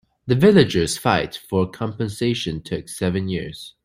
The villagers' fight for compensation took seven years.